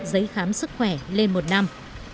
giấy khám sức khỏe lên một năm